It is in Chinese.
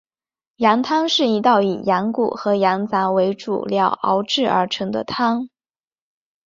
羊汤是一道以羊骨和羊杂为主料熬制而成的汤。